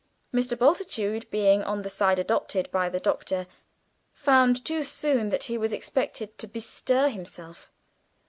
Mr. Bultitude, being on the side adopted by the Doctor, found too soon that he was expected to bestir himself.